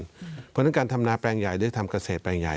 เพราะฉะนั้นการทำนาแปลงใหญ่ได้ทำเกษตรแปลงใหญ่